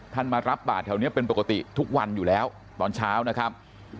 มารับบาทแถวนี้เป็นปกติทุกวันอยู่แล้วตอนเช้านะครับ